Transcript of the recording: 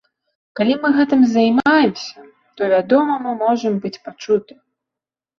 Калі мы гэтым займаемся, то вядома мы можам быць пачутыя.